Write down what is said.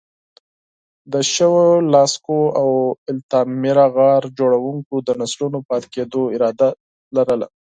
د شووه، لاسکو او التامیرا غار جوړونکو د نسلونو پاتې کېدو اراده درلوده.